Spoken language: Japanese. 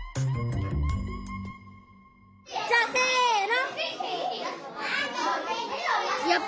じゃあせの！